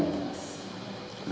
masih ada beberapa operasi